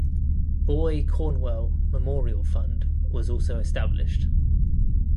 "Boy Cornwell Memorial Fund" was also established.